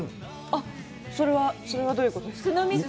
あっ、それはどういうことですか？